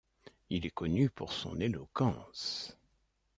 Il est connu pour son éloquence.